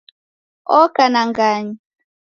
Oka na ng'anyi